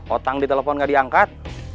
otang ditelepon gak diangkat